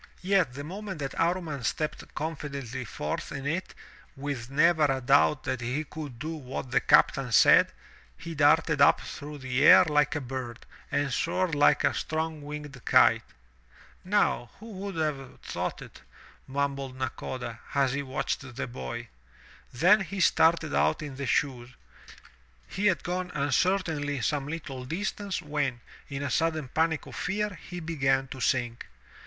Yet the moment that Amman stepped confidently forth in it, with never a doubt that he could do what the captain said, he darted up through the air like a bird, and soared Uke a strong winged kite. "Now who would have thought it?" mumbled Nakoda, as he watched the boy. Then he started out in the shoes. He had gone uncertainly some Uttle distance, when, in a sudden panic of fear, he began to sink.